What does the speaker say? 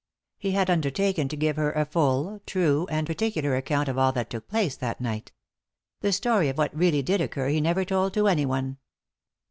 He had undertaken to give her a full, true, and particular account of all that took place that night ; the story of what really did occur he never told to anyone.